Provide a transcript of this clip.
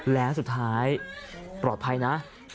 แล้วสุดท้ายปลอดภัยนะ